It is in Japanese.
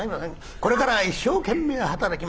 これからは一生懸命働きます。